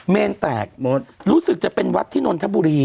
เมนแตกมดรู้สึกจะเป็นวัดที่นนทบุรี